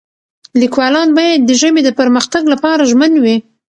لیکوالان باید د ژبې د پرمختګ لپاره ژمن وي.